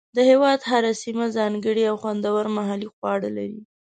د هېواد هره سیمه ځانګړي او خوندور محلي خواړه لري.